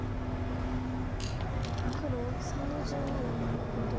黒３の十七コウ取り。